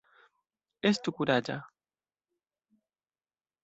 Estu kuraĝa!